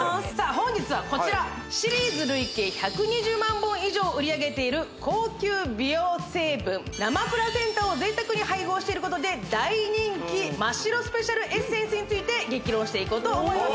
本日はこちらシリーズ累計１２０万本以上を売り上げている高級美容成分生プラセンタを贅沢に配合していることで大人気マ・シロスペシャルエッセンスについて激論していこうと思います